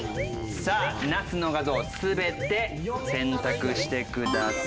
さあナスの画像を全て選択してください。